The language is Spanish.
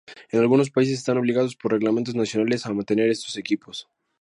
En algunos países están obligados por reglamentos nacionales a mantener estos equipos.